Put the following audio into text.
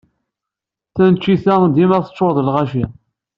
Taneččit-a dima teččuṛ d lɣaci.